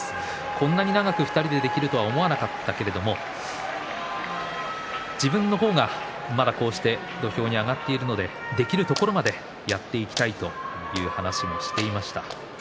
こんなに長く２人でできるとは思わなかったけれども自分の方が、まだこうして土俵に上がっているのでできるところまでやっていきたいという話をしていました。